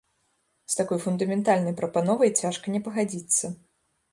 З такой фундаментальнай прапановай цяжка не пагадзіцца.